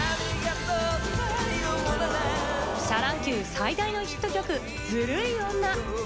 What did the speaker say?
シャ乱Ｑ最大のヒット曲『ズルい女』。